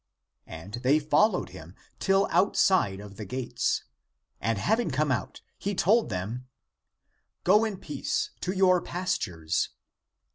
And they followed him till 294 THE APOCRYPHAL ACTS outside of the gates. And having come out, he told them, " Go in peace to your pastures